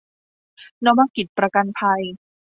นวกิจประกันภัย